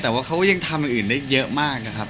แต่ว่าเขาก็ยังทำอย่างอื่นได้เยอะมากนะครับ